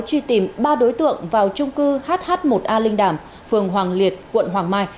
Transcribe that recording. truy tìm ba đối tượng vào trung cư hh một a linh đàm phường hoàng liệt quận hoàng mai